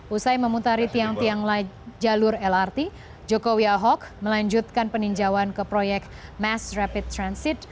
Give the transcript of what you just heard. usai memutari tiang tiang jalur lrt jokowi ahok melanjutkan peninjauan ke proyek mass rapid transit